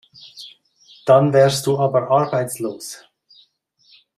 Dann wärst du aber arbeitslos.